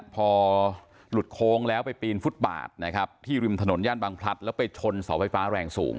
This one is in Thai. พอหลุดโค้งแล้วไปปีนฟุตบาทนะครับที่ริมถนนย่านบางพลัดแล้วไปชนเสาไฟฟ้าแรงสูง